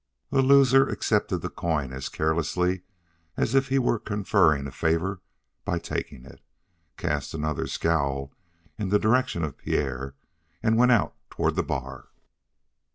The loser accepted the coin as carelessly as if he were conferring a favor by taking it, cast another scowl in the direction of Pierre, and went out toward the bar.